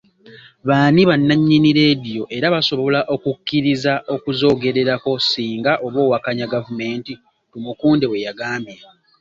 "Baani bannannyini leediyo era basobola okukukkiriza okuzoogererako singa oba owakanya gavuumenti,” Tumukunde bwe yagambye.